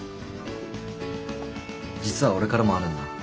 実は俺からもあるんだ。